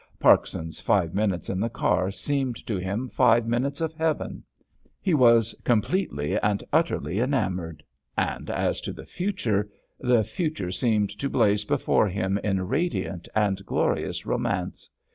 Parkson's five minutes in the car seemed to him five minutes of heaven. He was completely and utterly enamoured—and as to the future, the future seemed to blaze before him in radiant and glorious romance.